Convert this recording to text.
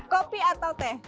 kopi atau teh